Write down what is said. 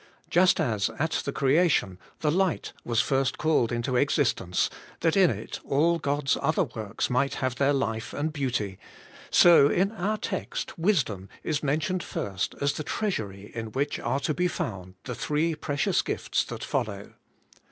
Just as at the creation the light was first called into existence, that in it all God's other works might have their life and beauty, so in our text wisdom is mentioned first as the treasury in which are to be found the three precious gifts that follow.